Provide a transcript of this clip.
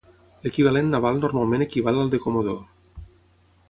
L'equivalent naval normalment equival al de Comodor.